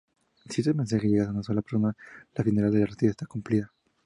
Si este mensaje llega a una sola persona, la finalidad del artista está cumplida.